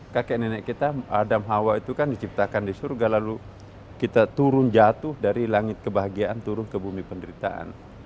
kakek nenek kita adam hawa itu kan diciptakan di surga lalu kita turun jatuh dari langit kebahagiaan turun ke bumi penderitaan